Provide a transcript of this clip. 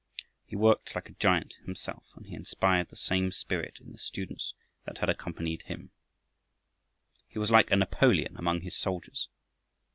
He worked like a giant himself, and he inspired the same spirit in the students that accompanied him. He was like a Napoleon among his soldiers.